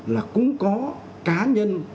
là cũng có cá nhân